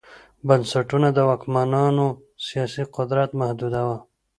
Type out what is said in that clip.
بنسټونه د واکمنانو سیاسي قدرت محدوداوه